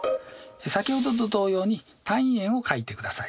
先ほどと同様に単位円を書いてください。